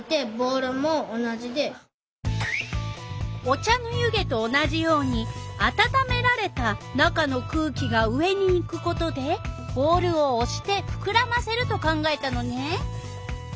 お茶の湯気と同じようにあたためられた中の空気が上にいくことでボールをおしてふくらませると考えたのね。